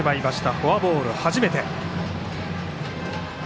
フォアボール、初めて。